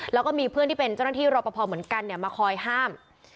แล้วก็มีเพื่อนที่เป็นเจ้าหน้าที่รอปภเหมือนกันมาคอยห้าม